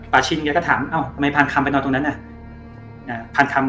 ปาชินก็ถามทำไมพานคำไปนอนตรงนั้น